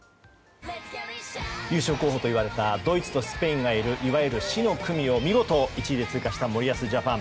優勝候補といわれたドイツとスペインがいるいわゆる死の組を見事１位で通過した森保ジャパン。